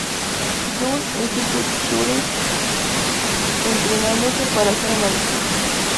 Jung-Institut Zürich, entrenándose para ser analista.